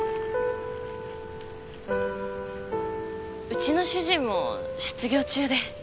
うちの主人も失業中で。